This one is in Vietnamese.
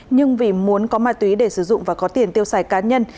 nhưng vì muốn có ma túy để sử dụng và có tiền tiêu xài cá nhân